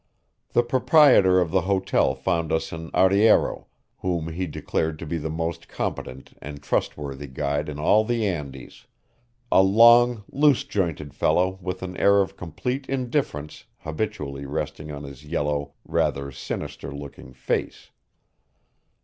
The proprietor of the hotel found us an arriero, whom he declared to be the most competent and trustworthy guide in all the Andes a long, loose jointed fellow with an air of complete indifference habitually resting on his yellow, rather sinister looking face.